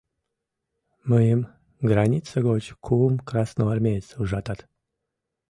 Мыйым граница гоч кум «красноармеец» ужатат.